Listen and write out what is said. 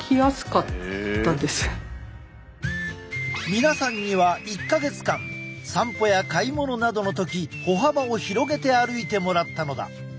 皆さんには１か月間散歩や買い物などの時歩幅を広げて歩いてもらったのだ。